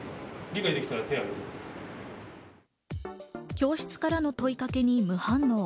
教室からの問いかけに無反応。